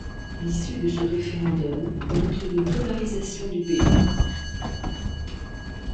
L'issue de ce référendum montre une polarisation du pays.